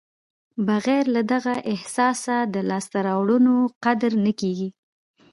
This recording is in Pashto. بغیر له دغه احساسه د لاسته راوړنو قدر نه کېږي.